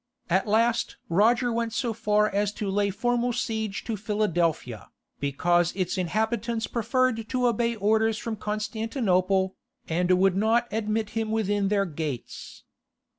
At last Roger went so far as to lay formal siege to Philadelphia, because its inhabitants preferred to obey orders from Constantinople, and would not admit him within their gates.